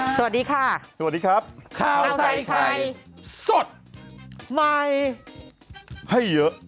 สวัสดีค่ะสวัสดีครับข้าวใส่ไข่สดใหม่ให้เยอะ